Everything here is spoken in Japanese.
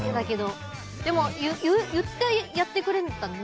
でも言ってやってくれるんだね。